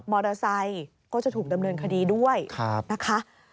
มอเตอร์ไซต์ก็จะถูกดำเนินคดีด้วยนะคะครับ